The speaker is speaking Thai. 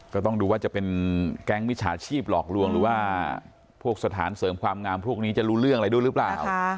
ก็ต้องดูว่าจะเป็นแก๊งมิจฉาชีพหลอกลวงหรือว่าพวกสถานเสริมความงามพวกนี้จะรู้เรื่องอะไรด้วยหรือเปล่า